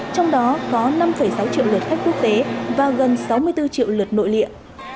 trong đó có năm sáu triệu lượt khách quốc tế và gần sáu mươi bốn triệu lượt nội địa